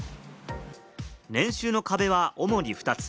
年収の壁は主に２つ。